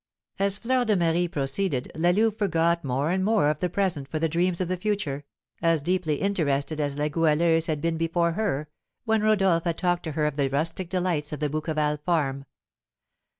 As Fleur de Marie proceeded, La Louve forgot more and more of the present for the dreams of the future, as deeply interested as La Goualeuse had been before her, when Rodolph had talked to her of the rustic delights of the Bouqueval farm.